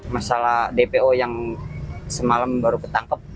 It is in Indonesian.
masalah dpo yang semalam baru ketangkep